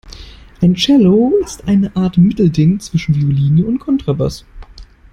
Ein Cello ist eine Art Mittelding zwischen Violine und Kontrabass.